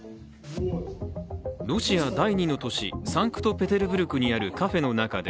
ロシア第２の都市サンクトペテルブルクにあるカフェの中で